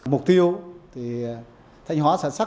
mục tiêu thì thanh hóa sản xuất